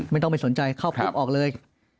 ไม่ต้องไปสนใจเข้าปุ๊บออกเลย